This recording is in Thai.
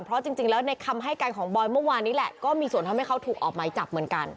เพราะจริงแล้วในคำให้การของบอยเมื่อวานนี้แหละก็มีส่วนทำให้เขาถูกออกหมายจับเหมือนกัน